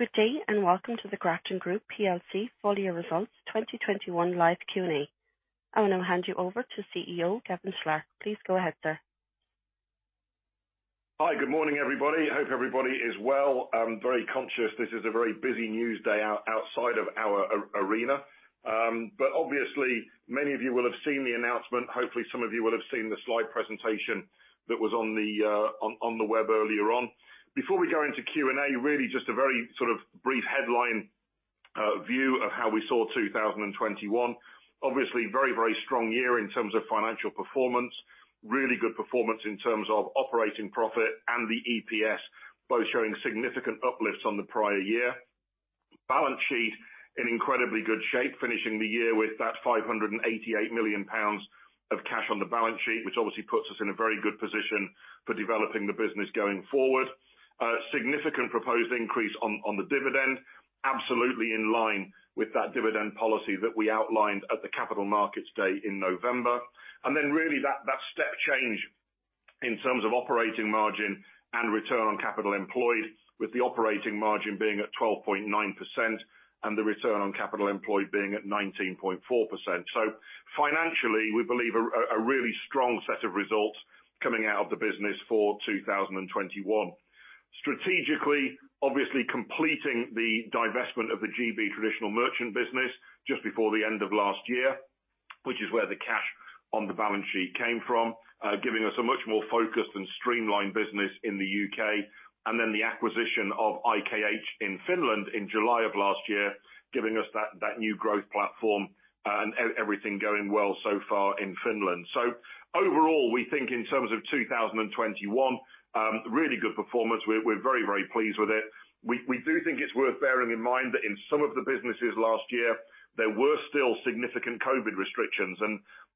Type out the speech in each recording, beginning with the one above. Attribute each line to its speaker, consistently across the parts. Speaker 1: Good day, and welcome to the Grafton Group plc full year results 2021 live Q&A. I'm gonna hand you over to CEO, Gavin Slark. Please go ahead, sir.
Speaker 2: Hi, good morning, everybody. Hope everybody is well. I'm very conscious this is a very busy news day outside of our arena. Obviously many of you will have seen the announcement. Hopefully, some of you will have seen the slide presentation that was on the web earlier on. Before we go into Q&A, really just a very sort of brief headline view of how we saw 2021. Obviously very, very strong year in terms of financial performance. Really good performance in terms of operating profit and the EPS, both showing significant uplifts on the prior year. Balance sheet in incredibly good shape, finishing the year with that 588 million pounds of cash on the balance sheet, which obviously puts us in a very good position for developing the business going forward. A significant proposed increase on the dividend, absolutely in line with that dividend policy that we outlined at the Capital Markets Day in November. Really that step change in terms of operating margin and return on capital employed, with the operating margin being at 12.9% and the return on capital employed being at 19.4%. Financially, we believe a really strong set of results coming out of the business for 2021. Strategically, obviously completing the divestment of the GB traditional merchant business just before the end of last year, which is where the cash on the balance sheet came from, giving us a much more focused and streamlined business in the UK. Then the acquisition of IKH in Finland in July of last year, giving us that new growth platform, and everything going well so far in Finland. Overall, we think in terms of 2021, really good performance. We're very pleased with it. We do think it's worth bearing in mind that in some of the businesses last year, there were still significant COVID restrictions.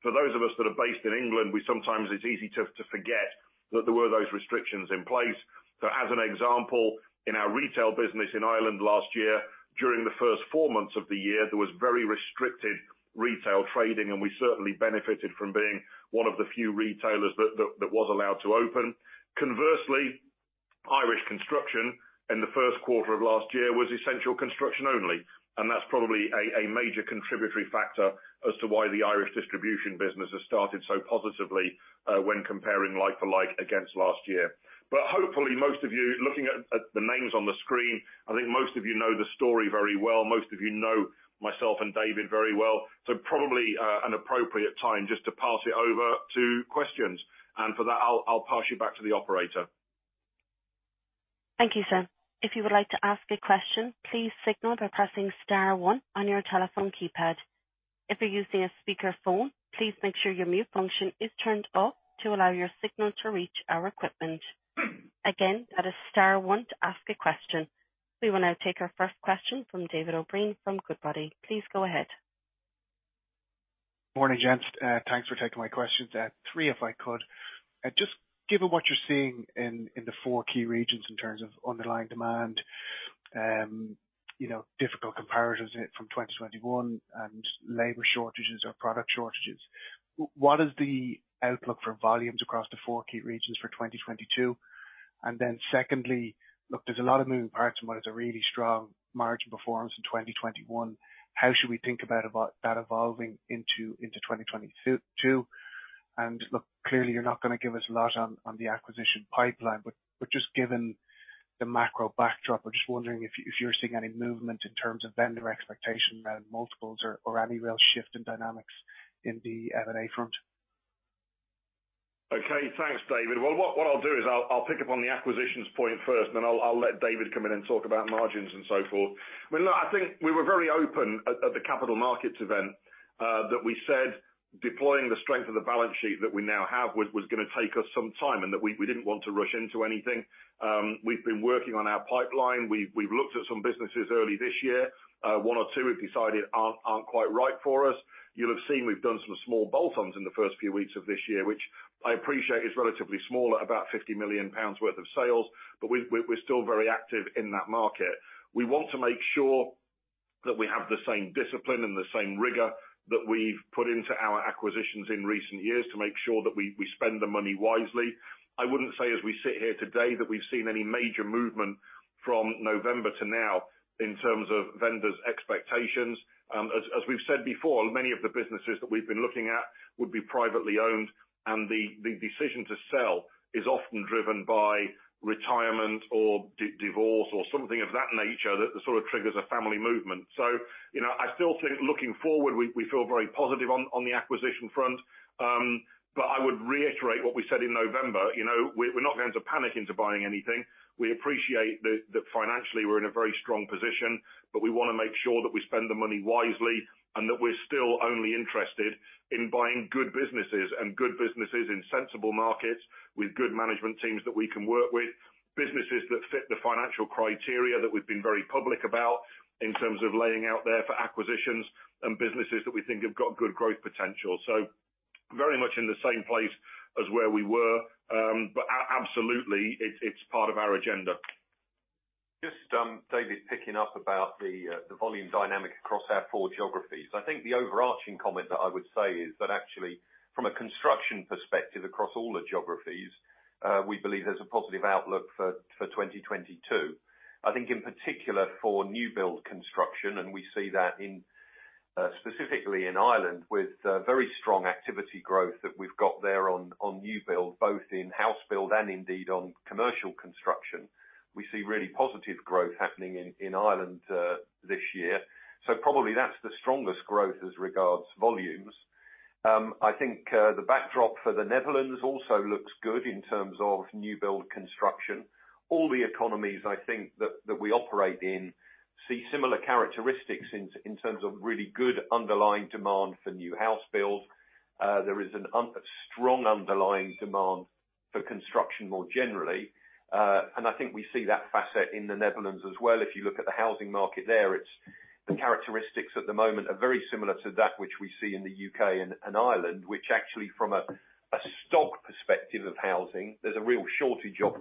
Speaker 2: For those of us that are based in England, we sometimes it's easy to forget that there were those restrictions in place. As an example, in our retail business in Ireland last year, during the first 4 months of the year, there was very restricted retail trading, and we certainly benefited from being one of the few retailers that was allowed to open. Conversely, Irish construction in the first quarter of last year was essential construction only, and that's probably a major contributory factor as to why the Irish distribution business has started so positively when comparing like-for-like against last year. Hopefully, most of you looking at the names on the screen, I think most of you know the story very well. Most of you know myself and David very well. Probably, an appropriate time just to pass it over to questions. For that, I'll pass you back to the operator.
Speaker 1: Thank you, sir. If you would like to ask a question, please signal by pressing star 1 on your telephone keypad. If you're using a speakerphone, please make sure your mute function is turned off to allow your signal to reach our equipment. Again, that is star one to ask a question. We will now take our first question from David O'Brien from Goodbody. Please go ahead.
Speaker 3: Morning, gents. Thanks for taking my questions. Three, if I could. Just given what you're seeing in the four key regions in terms of underlying demand, you know, difficult comparatives from 2021 and labor shortages or product shortages, what is the outlook for volumes across the four key regions for 2022? Then secondly, look, there's a lot of moving parts and what is a really strong margin performance in 2021. How should we think about that evolving into 2022? Look, clearly you're not gonna give us a lot on the acquisition pipeline, but just given the macro backdrop, I'm just wondering if you're seeing any movement in terms of vendor expectation around multiples or any real shift in dynamics in the M&A front.
Speaker 2: Okay. Thanks, David. Well, what I'll do is I'll pick up on the acquisitions point first, then I'll let David come in and talk about margins and so forth. No, I think we were very open at the capital markets event that we said deploying the strength of the balance sheet that we now have was gonna take us some time and that we didn't want to rush into anything. We've been working on our pipeline. We've looked at some businesses early this year. One or two we've decided aren't quite right for us. You'll have seen we've done some small bolt-ons in the first few weeks of this year, which I appreciate is relatively small at about 50 million pounds worth of sales, but we're still very active in that market. We want to make sure that we have the same discipline and the same rigor that we've put into our acquisitions in recent years to make sure that we spend the money wisely. I wouldn't say as we sit here today that we've seen any major movement from November to now in terms of vendors' expectations. As we've said before, many of the businesses that we've been looking at would be privately owned, and the decision to sell is often driven by retirement or divorce or something of that nature that sort of triggers a family movement. You know, I still think looking forward, we feel very positive on the acquisition front. But I would reiterate what we said in November. You know, we're not going to panic into buying anything. We appreciate that financially we're in a very strong position, but we wanna make sure that we spend the money wisely and that we're still only interested in buying good businesses and good businesses in sensible markets with good management teams that we can work with, businesses that fit the financial criteria that we've been very public about in terms of laying out there for acquisitions and businesses that we think have got good growth potential. Very much in the same place as where we were. Absolutely, it's part of our agenda.
Speaker 4: David, picking up about the volume dynamic across our four geographies. I think the overarching comment that I would say is that actually from a construction perspective across all the geographies, we believe there's a positive outlook for 2022. I think in particular for new build construction, and we see that in specifically in Ireland with very strong activity growth that we've got there on new build, both in house build and indeed on commercial construction. We see really positive growth happening in Ireland this year. Probably that's the strongest growth as regards volumes. I think the backdrop for the Netherlands also looks good in terms of new build construction. All the economies, I think that we operate in see similar characteristics in terms of really good underlying demand for new house builds. There is a strong underlying demand for construction more generally. I think we see that facet in the Netherlands as well. If you look at the housing market there, it's the characteristics at the moment are very similar to that which we see in the U.K. and Ireland, which actually from a stock perspective of housing, there's a real shortage of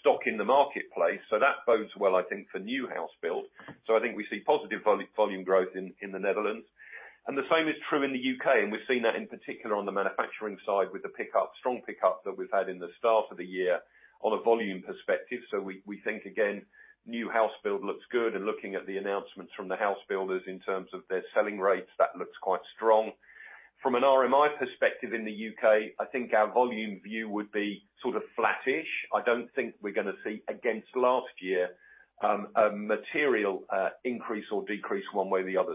Speaker 4: stock in the marketplace. That bodes well, I think, for new house build. I think we see positive volume growth in the Netherlands. The same is true in the U.K., and we've seen that in particular on the manufacturing side with the strong pickup that we've had in the start of the year on a volume perspective. We think, again, new house build looks good, and looking at the announcements from the house builders in terms of their selling rates, that looks quite strong. From an RMI perspective in the U.K., I think our volume view would be sort of flattish. I don't think we're gonna see against last year a material increase or decrease one way or the other.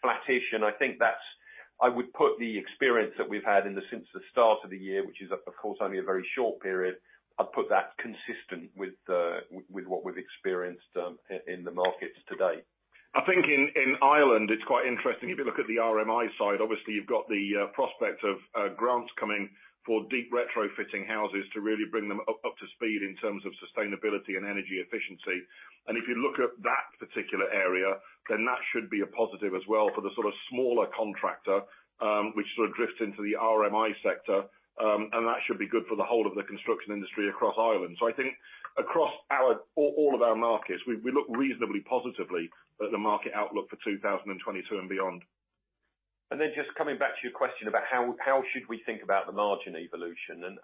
Speaker 4: Flattish, and I think that's. I would put the experience that we've had since the start of the year, which is of course only a very short period. I'd put that consistent with what we've experienced in the markets to date.
Speaker 2: I think in Ireland, it's quite interesting. If you look at the RMI side, obviously you've got the prospect of grants coming for deep retrofitting houses to really bring them up to speed in terms of sustainability and energy efficiency. If you look at that particular area, then that should be a positive as well for the sort of smaller contractor, which sort of drifts into the RMI sector. That should be good for the whole of the construction industry across Ireland. I think across all of our markets, we look reasonably positively at the market outlook for 2022 and beyond.
Speaker 4: Then just coming back to your question about how should we think about the margin evolution?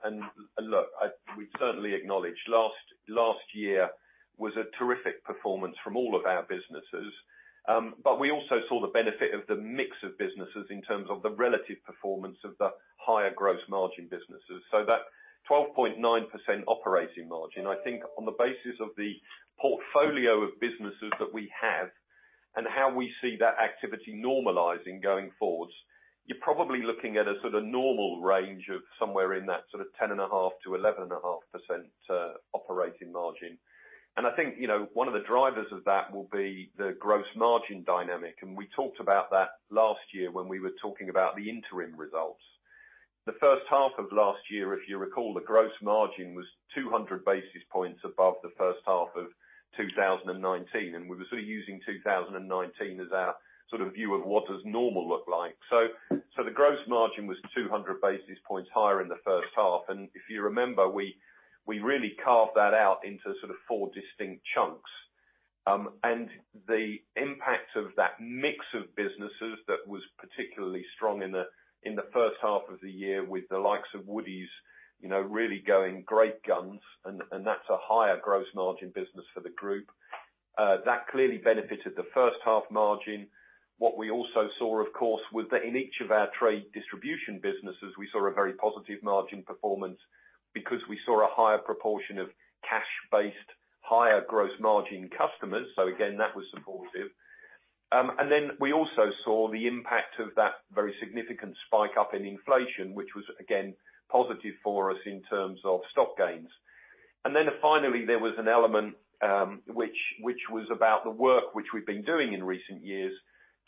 Speaker 4: Look, we certainly acknowledge last year was a terrific performance from all of our businesses. But we also saw the benefit of the mix of businesses in terms of the relative performance of the higher gross margin businesses. That 12.9% operating margin, I think on the basis of the portfolio of businesses that we have and how we see that activity normalizing going forward, you're probably looking at a sort of normal range of somewhere in that sort of 10.5%-11.5% operating margin. I think, you know, one of the drivers of that will be the gross margin dynamic, and we talked about that last year when we were talking about the interim results. The first half of last year, if you recall, the gross margin was 200 basis points above the first half of 2019, and we were sort of using 2019 as our sort of view of what does normal look like. So the gross margin was 200 basis points higher in the first half, and if you remember, we really carved that out into sort of four distinct chunks. The impact of that mix of businesses that was particularly strong in the first half of the year with the likes of Woodie's, you know, really going great guns and that's a higher gross margin business for the group. That clearly benefited the first half margin. What we also saw, of course, was that in each of our trade distribution businesses, we saw a very positive margin performance because we saw a higher proportion of cash-based, higher gross margin customers. Again, that was supportive. We also saw the impact of that very significant spike up in inflation, which was again positive for us in terms of stock gains. Finally, there was an element which was about the work which we've been doing in recent years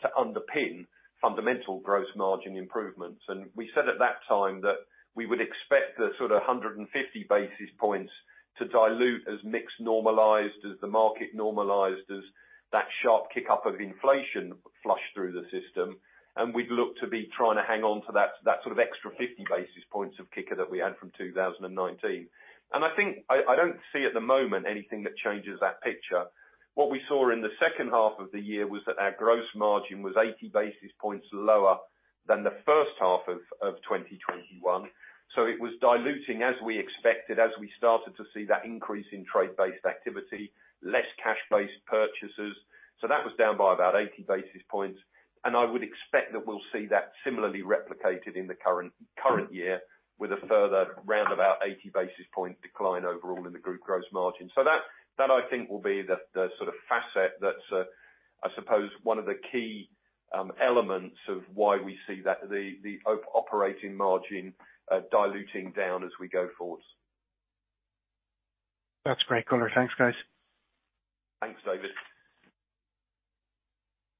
Speaker 4: to underpin fundamental gross margin improvements. We said at that time that we would expect the sort of 150 basis points to dilute as mix normalized, as the market normalized, as that sharp kick-up of inflation flushed through the system. We'd look to be trying to hang on to that sort of extra 50 basis points of kicker that we had from 2019. I think I don't see at the moment anything that changes that picture. What we saw in the second half of the year was that our gross margin was 80 basis points lower than the first half of 2021. It was diluting as we expected, as we started to see that increase in trade-based activity, less cash-based purchases. That was down by about 80 basis points, and I would expect that we'll see that similarly replicated in the current year with a further around 80 basis points decline overall in the Group gross margin. That I think will be the sort of facet that's I suppose one of the key elements of why we see that the operating margin diluting down as we go forward.
Speaker 3: That's great color. Thanks, guys.
Speaker 4: Thanks, David.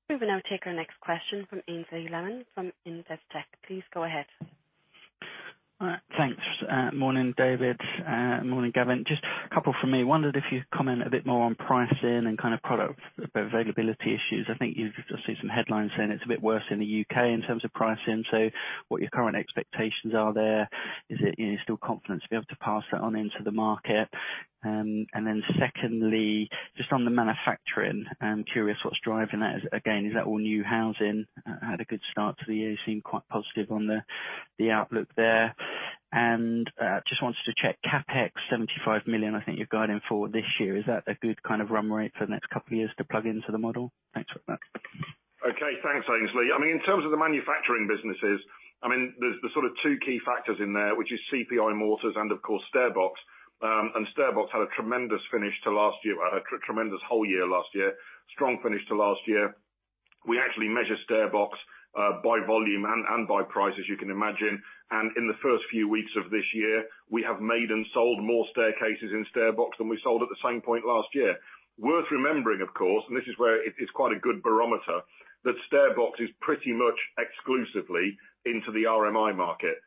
Speaker 1: We will now take our next question from Aynsley Zillah from Investec. Please go ahead.
Speaker 5: Thanks. Morning, David. Morning, Gavin. Just a couple from me. Wondered if you'd comment a bit more on pricing and kind of product availability issues. I think you see some headlines saying it's a bit worse in the U.K. in terms of pricing. What your current expectations are there. Is it, you know, still confident to be able to pass that on into the market? Then secondly, just on the manufacturing, I'm curious what's driving that. Again, is that all new housing? Had a good start to the year. Seem quite positive on the outlook there. Just wanted to check CapEx 75 million, I think you're guiding for this year. Is that a good kind of run rate for the next couple of years to plug into the model? Thanks for that.
Speaker 4: Okay. Thanks, Ainsley. I mean, in terms of the manufacturing businesses, I mean, there's sort of two key factors in there, which is CPI Mortars and of course StairBox. StairBox had a tremendous finish to last year. A tremendous year last year. Strong finish to last year. We actually measure StairBox by volume and by price, as you can imagine. In the first few weeks of this year, we have made and sold more staircases in StairBox than we sold at the same point last year. Worth remembering, of course, and this is where it's quite a good barometer, that StairBox is pretty much exclusively into the RMI market.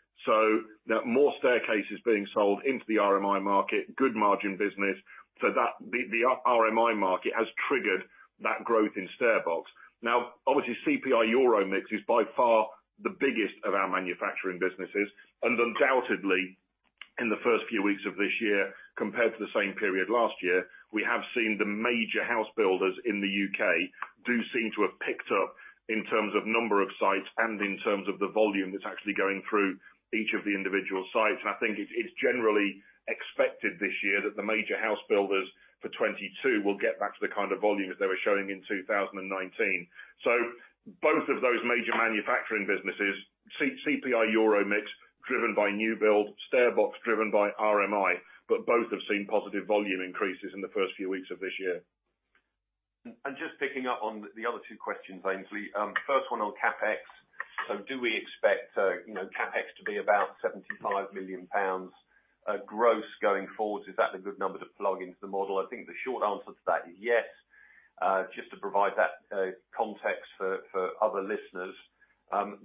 Speaker 4: There are more staircases being sold into the RMI market, good margin business. The RMI market has triggered that growth in StairBox. Now, obviously, CPI EuroMix is by far the biggest of our manufacturing businesses, and undoubtedly, in the first few weeks of this year, compared to the same period last year, we have seen the major house builders in the U.K. do seem to have picked up in terms of number of sites and in terms of the volume that's actually going through each of the individual sites. I think it's generally expected this year that the major house builders for 2022 will get back to the kind of volumes they were showing in 2019. Both of those major manufacturing businesses, CPI EuroMix, driven by new build, StairBox driven by RMI, but both have seen positive volume increases in the first few weeks of this year. Just picking up on the other two questions, Ainsley. First one on CapEx. Do we expect, you know, CapEx to be about 75 million pounds gross going forward? Is that a good number to plug into the model? I think the short answer to that is yes. Just to provide that context for other listeners,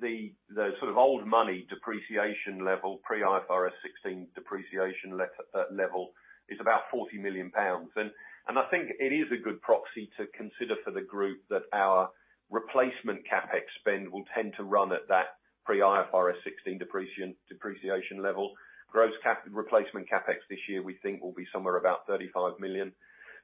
Speaker 4: the sort of old money depreciation level, pre IFRS 16 depreciation level, is about 40 million pounds. I think it is a good proxy to consider for the group that our replacement CapEx spend will tend to run at that pre IFRS 16 depreciation level. Gross replacement CapEx this year, we think, will be somewhere about 35 million.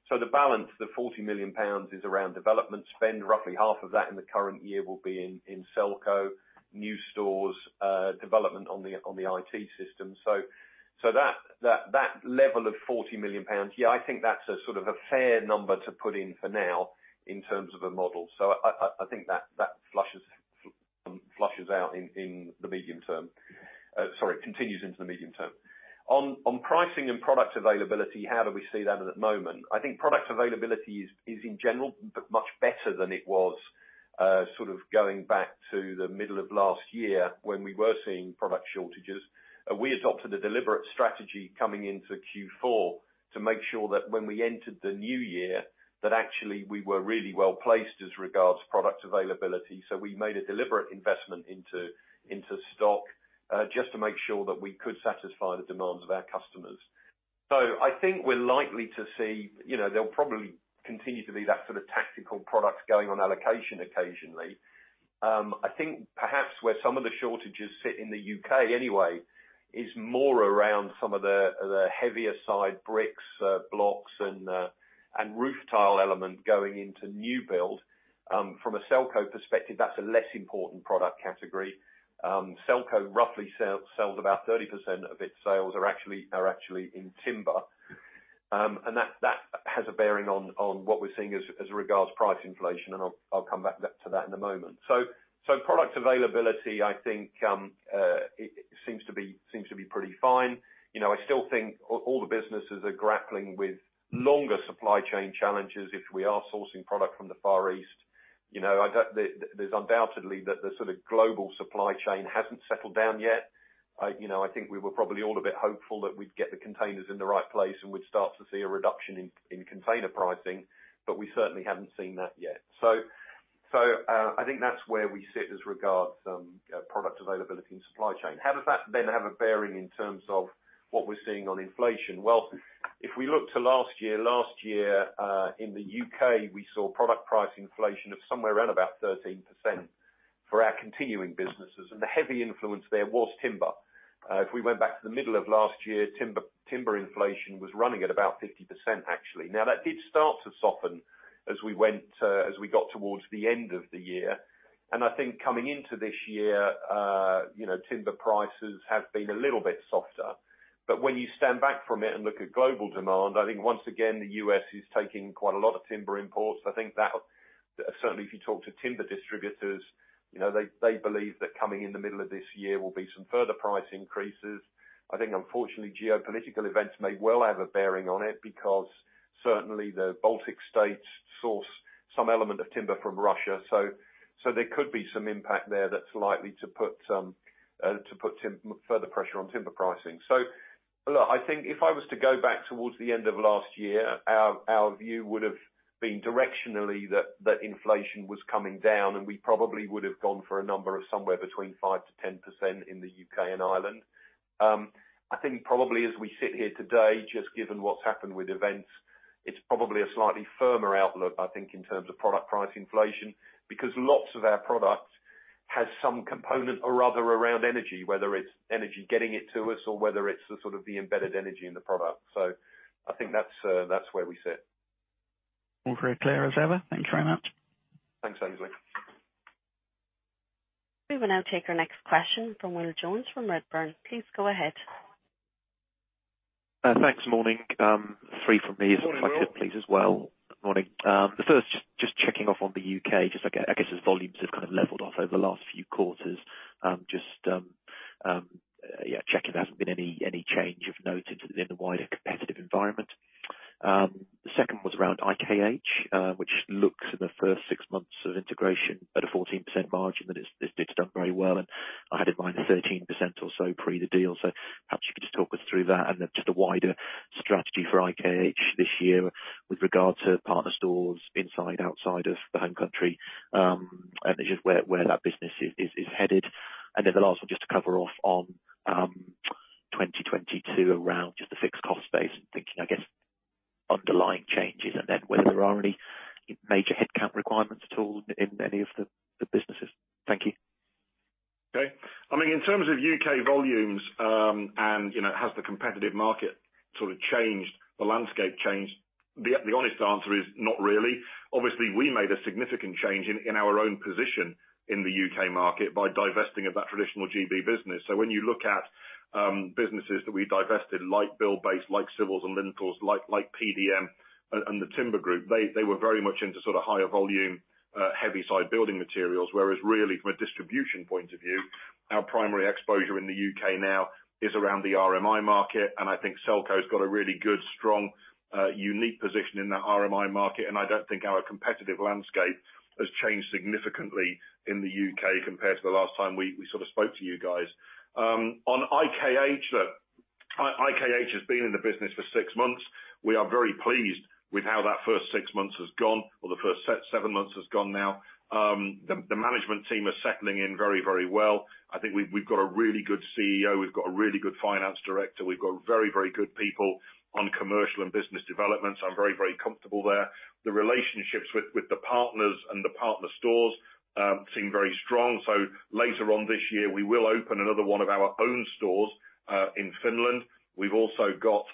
Speaker 4: The balance, the 40 million pounds is around development spend. Roughly half of that in the current year will be in Selco, new stores, development on the IT system. That level of 40 million pounds, I think that's a sort of a fair number to put in for now in terms of a model. I think that continues into the medium term. On pricing and product availability, how do we see that at the moment? I think product availability is in general much better than it was, sort of going back to the middle of last year when we were seeing product shortages. We adopted a deliberate strategy coming into Q4 to make sure that when we entered the new year, that actually we were really well-placed as regards product availability. We made a deliberate investment into stock, just to make sure that we could satisfy the demands of our customers. I think we're likely to see, you know, there'll probably continue to be that sort of tactical products going on allocation occasionally. I think perhaps where some of the shortages sit in the U.K. anyway, is more around some of the heavier side bricks, blocks, and roof tile element going into new build. From a Selco perspective, that's a less important product category. Selco roughly sells about 30% of its sales are actually in timber. That has a bearing on what we're seeing as regards price inflation, and I'll come back to that in a moment. Product availability, I think, it seems to be pretty fine. You know, I still think all the businesses are grappling with longer supply chain challenges if we are sourcing product from the Far East. You know, there's no doubt that the sort of global supply chain hasn't settled down yet. You know, I think we were probably all a bit hopeful that we'd get the containers in the right place and we'd start to see a reduction in container pricing, but we certainly haven't seen that yet. I think that's where we sit as regards product availability and supply chain. How does that then have a bearing in terms of what we're seeing on inflation? Well, if we look to last year in the U.K., we saw product price inflation of somewhere around about 13% for our continuing businesses, and the heavy influence there was timber. If we went back to the middle of last year, timber inflation was running at about 50%, actually. Now, that did start to soften as we got towards the end of the year. I think coming into this year, you know, timber prices have been a little bit softer. When you stand back from it and look at global demand, I think once again, the U.S. is taking quite a lot of timber imports. I think that, certainly if you talk to timber distributors, you know, they believe that coming in the middle of this year will be some further price increases. I think unfortunately, geopolitical events may well have a bearing on it because certainly the Baltic states source some element of timber from Russia. There could be some impact there that's likely to put further pressure on timber pricing. Look, I think if I was to go back towards the end of last year, our view would have been directionally that inflation was coming down, and we probably would have gone for a number of somewhere between 5%-10% in the U.K. and Ireland. I think probably as we sit here today, just given what's happened with events, it's probably a slightly firmer outlook, I think, in terms of product price inflation, because lots of our products
Speaker 2: Has some component or other around energy, whether it's energy getting it to us or whether it's the sort of embedded energy in the product. I think that's where we sit.
Speaker 5: All very clear as ever. Thank you very much.
Speaker 2: Thanks, Ainsley.
Speaker 1: We will now take our next question from Will Jones from Redburn. Please go ahead.
Speaker 6: Thanks. Morning. Three from me.
Speaker 2: Morning, Will.
Speaker 6: If I could please as well. Morning. First, just checking in on the U.K. I guess as volumes have kind of leveled off over the last few quarters, just checking there hasn't been any change of note in the wider competitive environment. The second was around IKH, which looks in the first 6 months of integration at a 14% margin, that it's done very well, and I had in mind 13% or so pre the deal. Perhaps you could just talk us through that and the wider strategy for IKH this year with regard to partner stores inside, outside of the home country, and just where that business is headed. Just to cover off on 2022 around just the fixed cost base and thinking, I guess, underlying changes and then whether there are any major headcount requirements at all in any of the businesses. Thank you.
Speaker 2: Okay. I mean, in terms of U.K. volumes, you know, has the competitive market sort of changed, the landscape changed? The honest answer is not really. Obviously, we made a significant change in our own position in the U.K. market by divesting of that traditional GB business. When you look at businesses that we divested, like Buildbase, like Civils & Lintels, like PDM and The Timber Group, they were very much into sort of higher volume heavy side building materials. Whereas really from a distribution point of view, our primary exposure in the U.K. now is around the RMI market, and I think Selco's got a really good, strong unique position in that RMI market. I don't think our competitive landscape has changed significantly in the U.K. compared to the last time we sort of spoke to you guys. On IKH, look, IKH has been in the business for 6 months. We are very pleased with how that first 6 months has gone, or the first 7 months has gone now. The management team are settling in very, very well. I think we've got a really good CEO. We've got a really good finance director. We've got very, very good people on commercial and business development, so I'm very, very comfortable there. The relationships with the partners and the partner stores seem very strong. Later on this year, we will open another one of our own stores in Finland. We've also got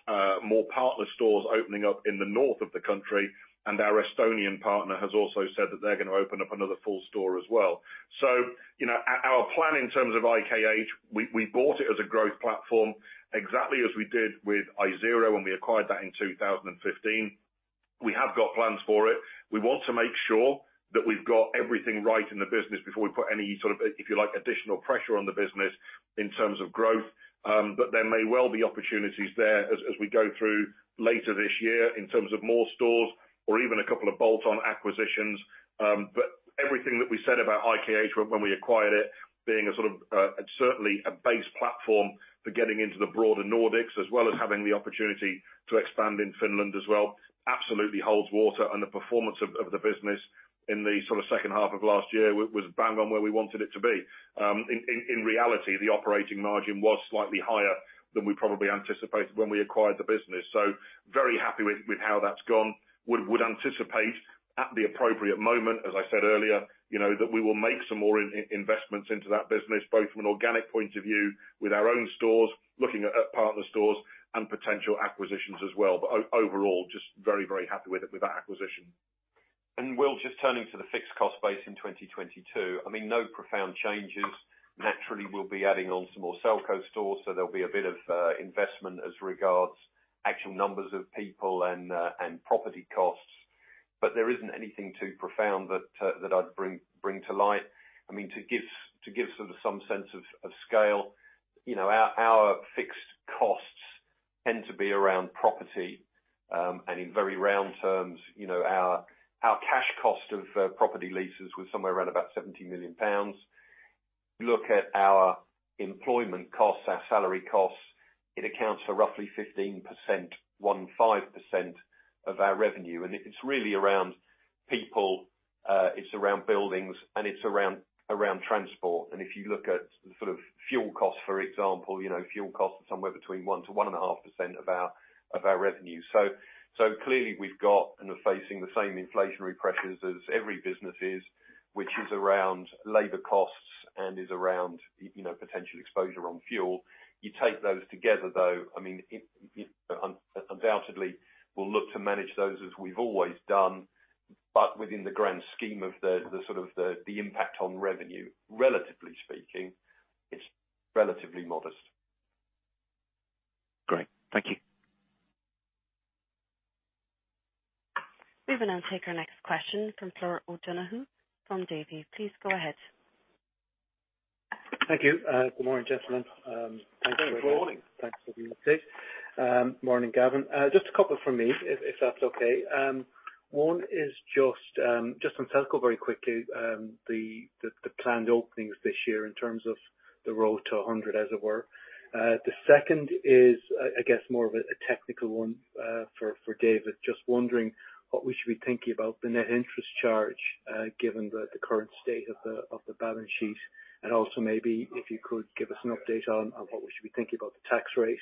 Speaker 2: more partner stores opening up in the north of the country, and our Estonian partner has also said that they're gonna open up another full store as well. You know, our plan in terms of IKH, we bought it as a growth platform, exactly as we did with Isero when we acquired that in 2015. We have got plans for it. We want to make sure that we've got everything right in the business before we put any sort of, if you like, additional pressure on the business in terms of growth. There may well be opportunities there as we go through later this year in terms of more stores or even a couple of bolt-on acquisitions. Everything that we said about IKH when we acquired it being a sort of certainly a base platform for getting into the broader Nordics, as well as having the opportunity to expand in Finland as well, absolutely holds water. The performance of the business in the sort of second half of last year was bang on where we wanted it to be. In reality, the operating margin was slightly higher than we probably anticipated when we acquired the business. Very happy with how that's gone. Would anticipate at the appropriate moment, as I said earlier, you know, that we will make some more investments into that business, both from an organic point of view with our own stores, looking at partner stores and potential acquisitions as well. Overall, just very, very happy with it, with that acquisition.
Speaker 4: Will, just turning to the fixed cost base in 2022, I mean, no profound changes. Naturally, we'll be adding on some more Selco stores, so there'll be a bit of investment as regards actual numbers of people and property costs. But there isn't anything too profound that I'd bring to light. I mean, to give sort of some sense of scale, you know, our fixed costs tend to be around property, and in very round terms, you know, our cash cost of property leases was somewhere around about 70 million pounds. Look at our employment costs, our salary costs, it accounts for roughly 15%, 15% of our revenue. It's really around people, it's around buildings, and it's around transport. If you look at the sort of fuel costs, for example, you know, fuel costs are somewhere between 1%-1.5% of our revenue. Clearly we've got and are facing the same inflationary pressures as every business is, which is around labor costs and is around, you know, potential exposure on fuel. You take those together though, I mean, it, you know, undoubtedly we'll look to manage those as we've always done, but within the grand scheme of the sort of impact on revenue, relatively speaking, it's relatively modest.
Speaker 6: Great. Thank you.
Speaker 1: We will now take our next question from Flor O'Donoghue from Davy. Please go ahead.
Speaker 7: Thank you. Good morning, gentlemen. Good morning. Thanks for the update. Morning, Gavin. Just a couple from me if that's okay. One is just on Selco very quickly, the planned openings this year in terms of the road to 100, as it were. The second is I guess more of a technical one for David. Just wondering what we should be thinking about the net interest charge, given the current state of the balance sheet, and also maybe if you could give us an update on what we should be thinking about the tax rate.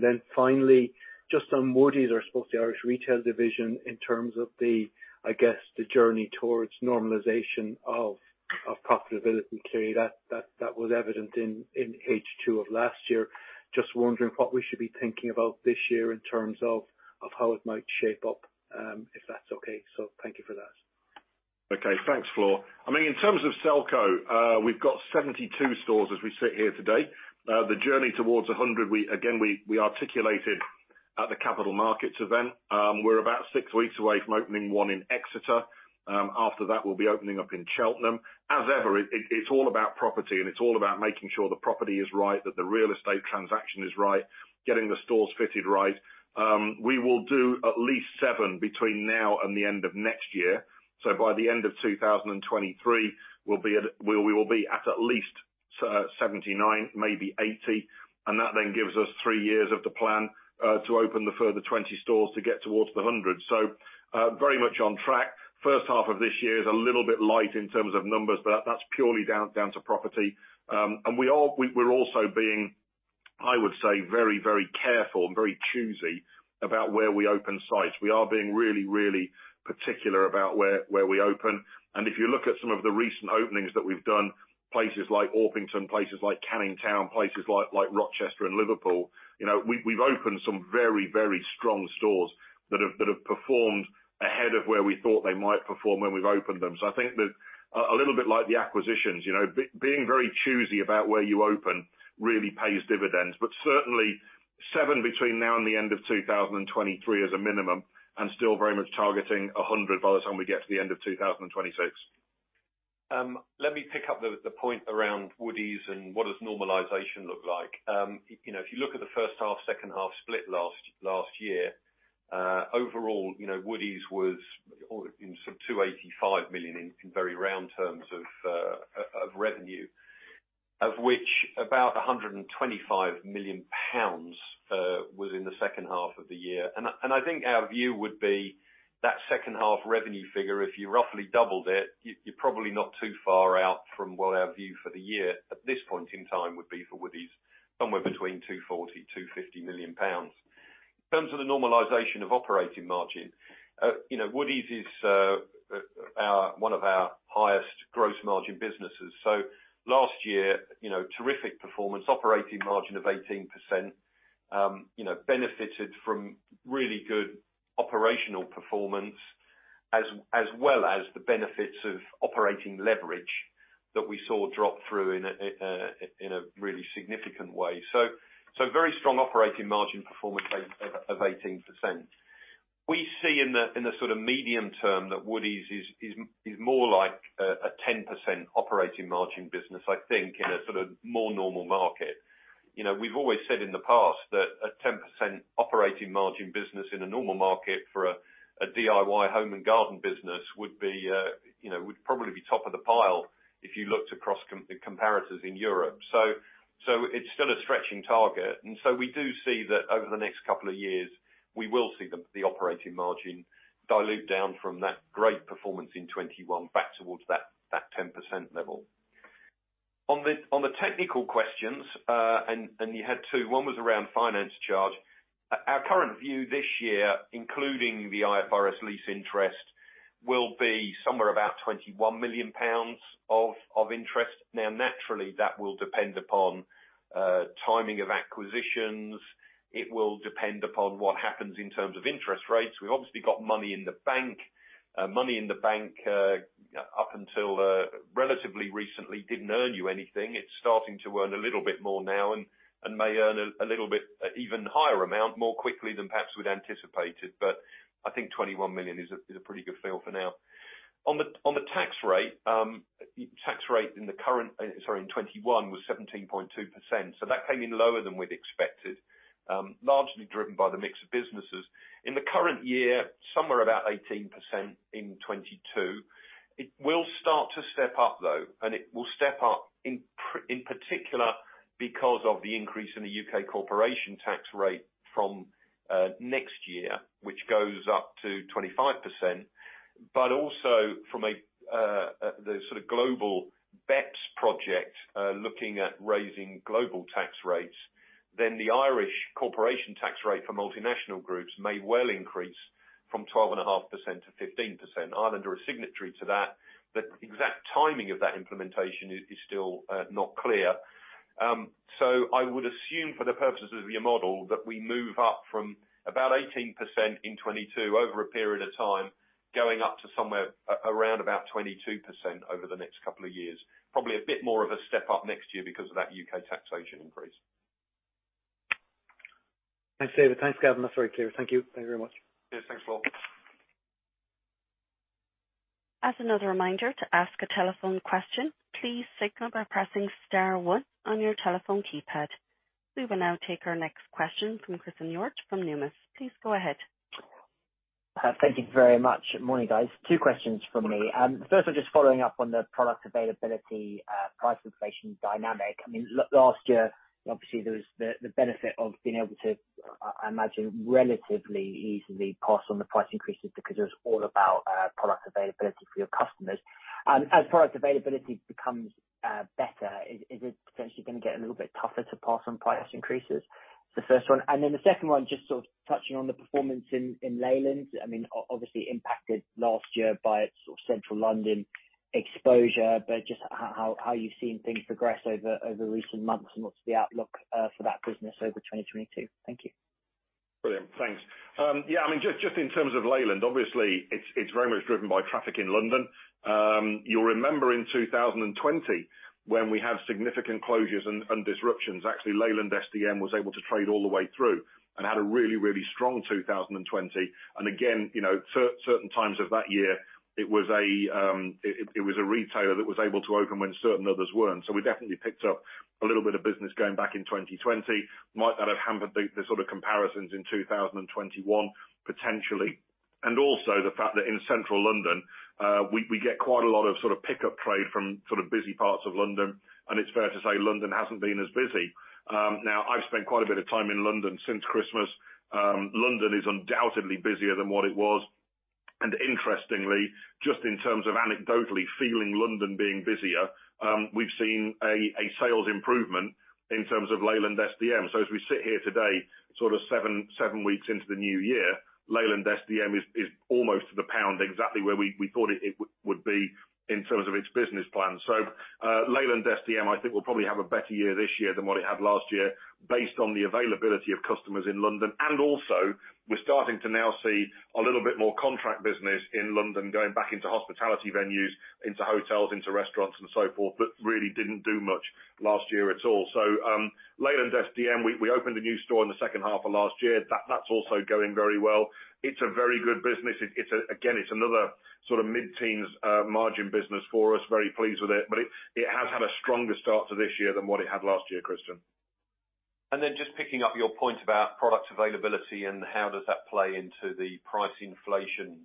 Speaker 7: Then finally, just on Woodie's or I suppose the Irish retail division in terms of the, I guess, the journey towards normalization of profitability. Clearly, that was evident in H2 of last year. Just wondering what we should be thinking about this year in terms of how it might shape up, if that's okay. Thank you for that.
Speaker 2: Okay. Thanks, Flor. I mean, in terms of Selco, we've got 72 stores as we sit here today. The journey towards 100, again, we articulated at the capital markets event. We're about 6 weeks away from opening one in Exeter. After that, we'll be opening up in Cheltenham. As ever, it's all about property, and it's all about making sure the property is right, that the real estate transaction is right, getting the stores fitted right. We will do at least 7 between now and the end of next year. By the end of 2023, we'll be at least 79, maybe 80, and that then gives us 3 years of the plan to open the further 20 stores to get towards the 100. Very much on track. First half of this year is a little bit light in terms of numbers, but that's purely down to property. We're also being, I would say, very, very careful and very choosy about where we open sites. We are being really, really particular about where we open. If you look at some of the recent openings that we've done, places like Orpington, places like Canning Town, places like Rochester and Liverpool, you know, we've opened some very, very strong stores that have performed ahead of where we thought they might perform when we've opened them. I think that a little bit like the acquisitions, you know, being very choosy about where you open really pays dividends. Certainly, 7 between now and the end of 2023 as a minimum, and still very much targeting 100 by the time we get to the end of 2026.
Speaker 4: Let me pick up the point around Woodie's and what does normalization look like. You know, if you look at the first half, second half split last year, overall, you know, Woodie's was or in sort of 285 million in very round terms of revenue, of which about 125 million pounds was in the second half of the year. I think our view would be that second half revenue figure, if you roughly doubled it, you're probably not too far out from what our view for the year at this point in time would be for Woodie's, somewhere between 240-250 million pounds. In terms of the normalization of operating margin, you know, Woodie's is our one of our highest gross margin businesses. Last year, you know, terrific performance, operating margin of 18%, you know, benefited from really good operational performance as well as the benefits of operating leverage that we saw drop through in a really significant way. Very strong operating margin performance of 18%. We see in the sort of medium term that Woodie's is more like a 10% operating margin business, I think, in a sort of more normal market. You know, we've always said in the past that a 10% operating margin business in a normal market for a DIY home and garden business would be, you know, would probably be top of the pile if you looked across comparators in Europe. It's still a stretching target. We do see that over the next couple of years, we will see the operating margin dilute down from that great performance in 2021 back towards that 10% level. On the technical questions, you had two, one was around finance charge. Our current view this year, including the IFRS lease interest, will be somewhere about 21 million pounds of interest. Now, naturally, that will depend upon timing of acquisitions. It will depend upon what happens in terms of interest rates. We've obviously got money in the bank. Money in the bank up until relatively recently didn't earn you anything. It's starting to earn a little bit more now and may earn a little bit even higher amount more quickly than perhaps we'd anticipated. I think 21 million is a pretty good feel for now. On the tax rate, tax rate in 2021 was 17.2%. That came in lower than we'd expected, largely driven by the mix of businesses. In the current year, somewhere about 18% in 2022. It will start to step up, though, and it will step up in particular because of the increase in the U.K. corporation tax rate from next year, which goes up to 25%, but also from the sort of global BEPS project looking at raising global tax rates, then the Irish corporation tax rate for multinational groups may well increase from 12.5% to 15%. Ireland are a signatory to that. The exact timing of that implementation is still not clear. I would assume for the purposes of your model, that we move up from about 18% in 2022 over a period of time, going up to somewhere around about 22% over the next couple of years. Probably a bit more of a step up next year because of that U.K. taxation increase.
Speaker 7: Thanks, David. Thanks, Gavin. That's very clear. Thank you. Thank you very much.
Speaker 4: Yes, thanks, Flor.
Speaker 1: As another reminder to ask a telephone question, please signal by pressing star one on your telephone keypad. We will now take our next question from Christen Hjorth from Numis. Please go ahead.
Speaker 8: Thank you very much. Morning, guys. 2 questions from me. First I'm just following up on the product availability, price inflation dynamic. I mean, last year, obviously there was the benefit of being able to, I imagine, relatively easily pass on the price increases because it was all about product availability for your customers. As product availability becomes better, is it potentially gonna get a little bit tougher to pass on price increases? That's the first one. The second one, just sort of touching on the performance in Leyland. I mean, obviously impacted last year by its sort of Central London exposure, but just how you've seen things progress over recent months and what's the outlook for that business over 2022. Thank you.
Speaker 2: Brilliant. Thanks. I mean, just in terms of Leyland, obviously it's very much driven by traffic in London. You'll remember in 2020 when we had significant closures and disruptions, actually, Leyland SDM was able to trade all the way through and had a really strong 2020. Again, you know, certain times of that year, it was a retailer that was able to open when certain others weren't. We definitely picked up a little bit of business going back in 2020. Might not have hampered the sort of comparisons in 2021 potentially. Also the fact that in Central London, we get quite a lot of sort of pickup trade from sort of busy parts of London, and it's fair to say London hasn't been as busy. Now I've spent quite a bit of time in London since Christmas. London is undoubtedly busier than what it was. Interestingly, just in terms of anecdotally feeling London being busier, we've seen a sales improvement in terms of Leyland SDM. As we sit here today, sort of seven weeks into the new year, Leyland SDM is almost to the pound exactly where we thought it would be in terms of its business plan. Leyland SDM I think will probably have a better year this year than what it had last year based on the availability of customers in London. Also we're starting to now see a little bit more contract business in London going back into hospitality venues, into hotels, into restaurants and so forth, that really didn't do much last year at all. Leyland SDM, we opened a new store in the second half of last year. That's also going very well. It's a very good business. Again, it's another sort of mid-teens margin business for us. Very pleased with it. It has had a stronger start to this year than what it had last year, Christen.
Speaker 4: Then just picking up your point about product availability and how does that play into the price inflation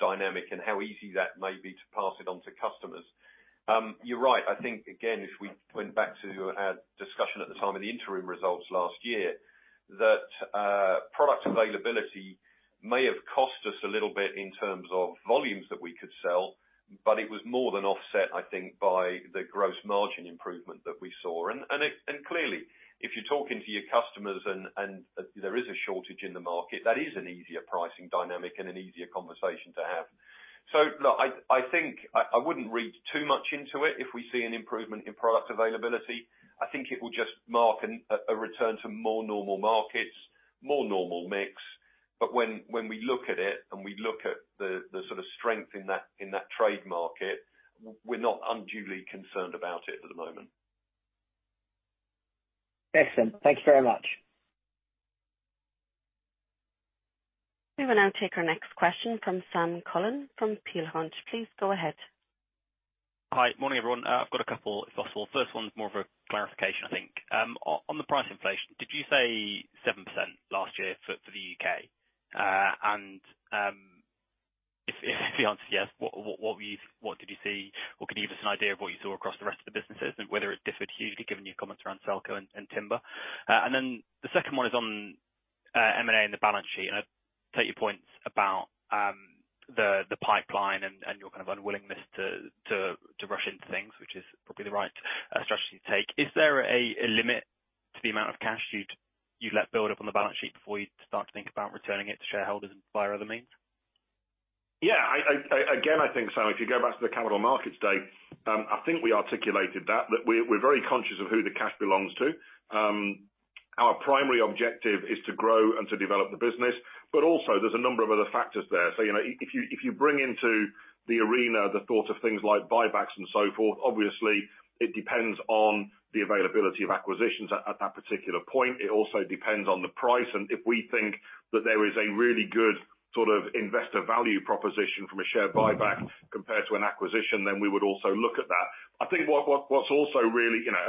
Speaker 4: dynamic, and how easy that may be to pass it on to customers. You're right. I think again, if we went back to our discussion at the time of the interim results last year, that product availability may have cost us a little bit in terms of volumes that we could sell, but it was more than offset, I think, by the gross margin improvement that we saw. Clearly, if you're talking to your customers and there is a shortage in the market, that is an easier pricing dynamic and an easier conversation to have. Look, I think I wouldn't read too much into it if we see an improvement in product availability. I think it will just mark a return to more normal markets, more normal mix. When we look at it and we look at the sort of strength in that trade market, we're not unduly concerned about it at the moment.
Speaker 8: Excellent. Thank you very much.
Speaker 1: We will now take our next question from Sam Cullen from Peel Hunt. Please go ahead.
Speaker 9: Hi. Morning, everyone. I've got a couple if possible. First one's more of a clarification, I think. On the price inflation, did you say 7% last year for the UK? If the answer is yes, what did you see? Or can you give us an idea of what you saw across the rest of the businesses and whether it differed hugely given your comments around Selco and timber? The second one is on M&A and the balance sheet. I take your points about the pipeline and your kind of unwillingness to rush into things, which is probably the right strategy to take. Is there a limit to the amount of cash you let build up on the balance sheet before you start to think about returning it to shareholders via other means?
Speaker 2: I think, Sam, if you go back to the Capital Markets Day, I think we articulated that. That we're very conscious of who the cash belongs to. Our primary objective is to grow and to develop the business. Also there's a number of other factors there. You know, if you bring into the equation the thought of things like buybacks and so forth, obviously it depends on the availability of acquisitions at that particular point. It also depends on the price, and if we think that there is a really good sort of investor value proposition from a share buyback compared to an acquisition, then we would also look at that. I think what's also really, you know,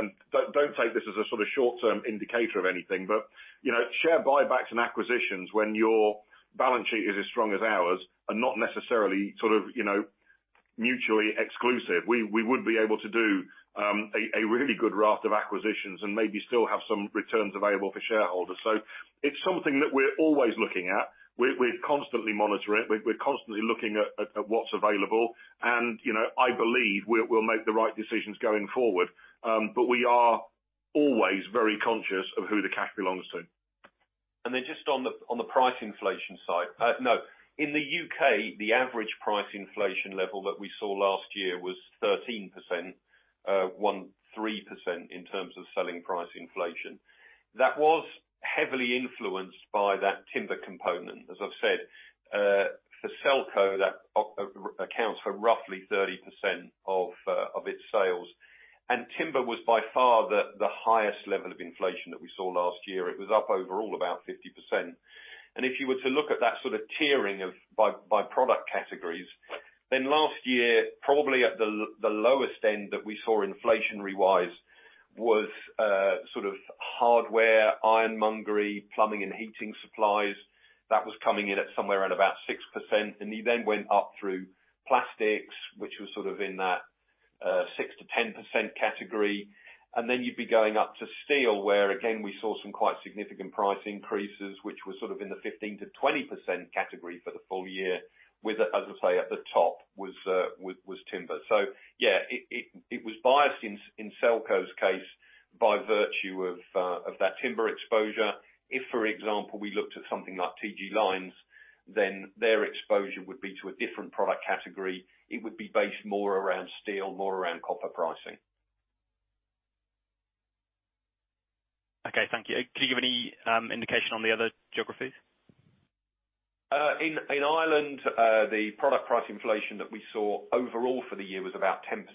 Speaker 2: don't take this as a sort of short-term indicator of anything, but, you know, share buybacks and acquisitions when your balance sheet is as strong as ours are not necessarily sort of, you know, mutually exclusive. We would be able to do a really good raft of acquisitions and maybe still have some returns available for shareholders. It's something that we're always looking at. We constantly monitor it. We're constantly looking at what's available. You know, I believe we'll make the right decisions going forward. We are always very conscious of who the cash belongs to.
Speaker 4: Just on the price inflation side. In the U.K., the average price inflation level that we saw last year was 13%, 13% in terms of selling price inflation. That was heavily influenced by that timber component. As I've said, for Selco, that accounts for roughly 30% of its sales. Timber was by far the highest level of inflation that we saw last year. It was up overall about 50%. If you were to look at that sort of tiering of by product categories, then last year probably at the lowest end that we saw inflationary-wise was sort of hardware, ironmongery, plumbing and heating supplies. That was coming in at somewhere around about 6%. You then went up through plastics, which was sort of in that 6%-10% category. Then you'd be going up to steel, where again we saw some quite significant price increases, which were sort of in the 15%-20% category for the full year. With, as I say, at the top was timber. It was biased in Selco's case by virtue of that timber exposure. If, for example, we looked at something like TG Lynes, then their exposure would be to a different product category. It would be based more around steel, more around copper pricing.
Speaker 9: Okay, thank you. Can you give any indication on the other geographies?
Speaker 4: In Ireland, the product price inflation that we saw overall for the year was about 10%,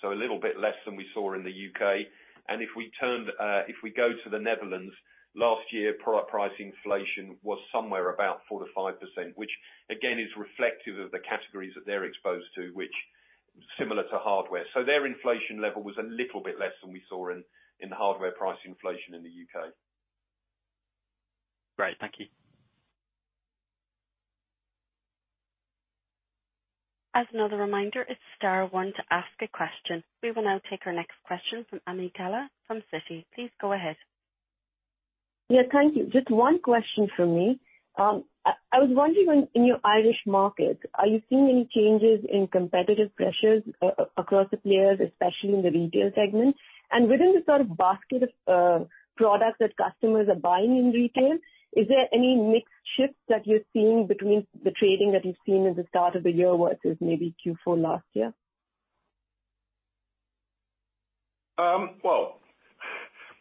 Speaker 4: so a little bit less than we saw in the U.K. If we go to the Netherlands, last year, product price inflation was somewhere about 4%-5%, which again is reflective of the categories that they're exposed to, which is similar to hardware. Their inflation level was a little bit less than we saw in the hardware price inflation in the U.K.
Speaker 9: Great. Thank you.
Speaker 1: As another reminder, it's star one to ask a question. We will now take our next question from Ami Galla from Citi. Please go ahead.
Speaker 10: Thank you. Just one question from me. I was wondering in your Irish market, are you seeing any changes in competitive pressures across the players, especially in the retail segment? Within the sort of basket of products that customers are buying in retail, is there any mix shift that you're seeing between the trading that you've seen at the start of the year versus maybe Q4 last year?
Speaker 4: Well,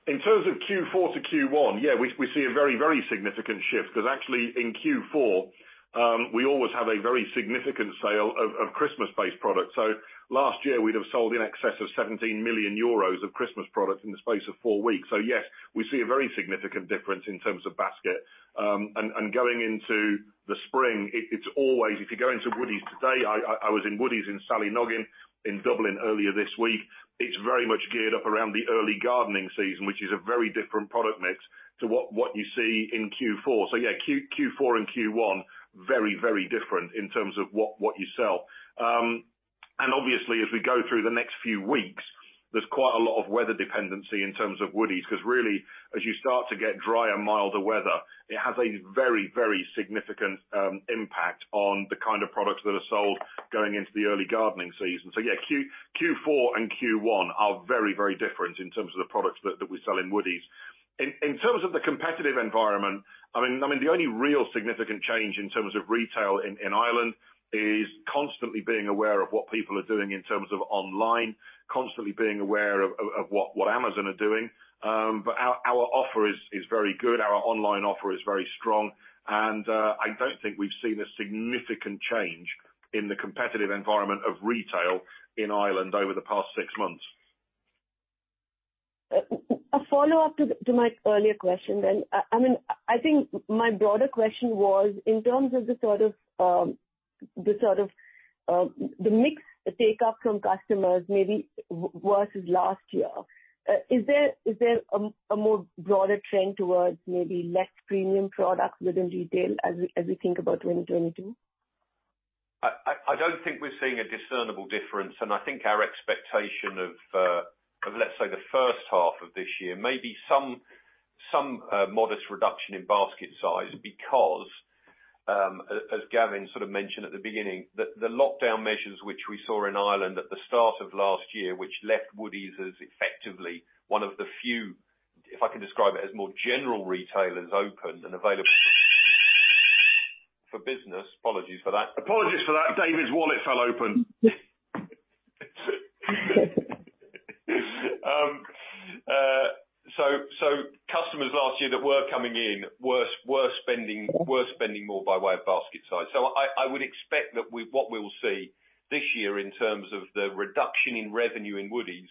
Speaker 4: in terms of Q4 to Q1 we see a very significant shift, because actually in Q4, we always have a very significant sale of Christmas-based products. Last year, we'd have sold in excess of 17 million euros of Christmas products in the space of four weeks. Yes, we see a very significant difference in terms of basket. And going into the spring, it's always, if you go into Woodie's today, I was in Woodie's in Sallynoggin in Dublin earlier this week, it's very much geared up around the early gardening season, which is a very different product mix to what you see in Q4. Q4 and Q1, very different in terms of what you sell. Obviously, as we go through the next few weeks, there's quite a lot of weather dependency in terms of Woodie's, 'cause really, as you start to get drier, milder weather, it has a very, very significant impact on the kind of products that are sold going into the early gardening season. Q4 and Q1 are very, very different in terms of the products that we sell in Woodie's. In terms of the competitive environment, I mean, the only real significant change in terms of retail in Ireland is constantly being aware of what people are doing in terms of online, constantly being aware of what Amazon are doing. Our offer is very good. Our online offer is very strong. I don't think we've seen a significant change in the competitive environment of retail in Ireland over the past 6 months.
Speaker 10: A follow-up to my earlier question. I mean, I think my broader question was in terms of the sort of the mixed take-up from customers maybe versus last year. Is there a more broader trend towards maybe less premium products within retail as we think about 2022?
Speaker 4: I don't think we're seeing a discernible difference. I think our expectation of let's say the first half of this year, maybe some modest reduction in basket size because, as Gavin sort of mentioned at the beginning, the lockdown measures which we saw in Ireland at the start of last year, which left Woodie's as effectively one of the few, if I can describe it, as more general retailers open and available for business. Apologies for that. David's wallet fell open. Customers last year that were coming in were spending more by way of basket size. I would expect what we will see this year in terms of the reduction in revenue in Woodie's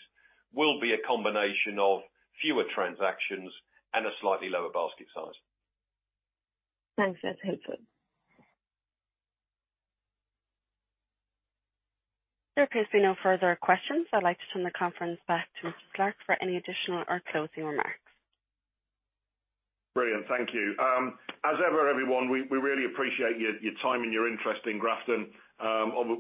Speaker 4: will be a combination of fewer transactions and a slightly lower basket size.
Speaker 10: Thanks. That's helpful.
Speaker 1: There appears to be no further questions. I'd like to turn the conference back to Mr. Slark for any additional or closing remarks.
Speaker 2: Brilliant. Thank you. As ever, everyone, we really appreciate your time and your interest in Grafton.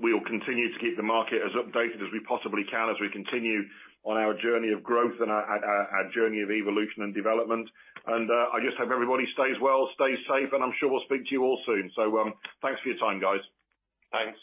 Speaker 2: We will continue to keep the market as updated as we possibly can as we continue on our journey of growth and our journey of evolution and development. I just hope everybody stays well, stays safe, and I'm sure we'll speak to you all soon. Thanks for your time, guys. Thanks.